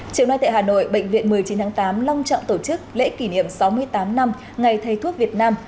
chiều nay tại hà nội bệnh viện một mươi chín tháng tám long trọng tổ chức lễ kỷ niệm sáu mươi tám năm ngày thầy thuốc việt nam